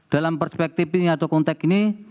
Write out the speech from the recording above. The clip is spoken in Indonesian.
dalam perspektif ini atau konteks ini